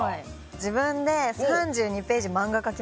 自分で３２ページ漫画描きました。